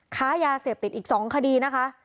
ค้ายาเสพติดอีก๒คดีนะคะ